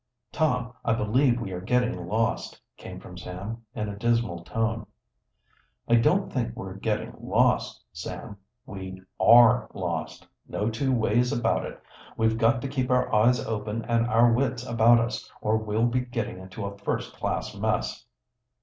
"Tom, I believe we are getting lost," came from Sam, in a dismal tone. "I don't think we're getting lost, Sam; we are lost, no two ways about it. We've got to keep our eyes open and our wits about us, or we'll be getting into a first class mess."